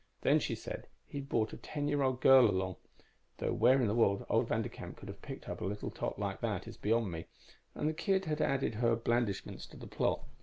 Then, she said, he'd brought a ten year old girl along though where in the world old Vanderkamp could have picked up a tot like that is beyond me and the kid had added her blandishments to the plot.